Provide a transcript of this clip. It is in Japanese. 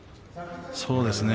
そうですね。